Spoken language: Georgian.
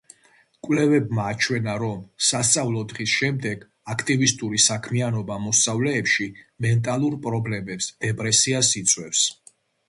კვლევებმა აჩვენა, რომ სასწავლო დღის შემდეგ აქტივისტური საქმიანობა მოსწავლეებში მენტალურ პრობლემებს, დეპრესიას იწვევს.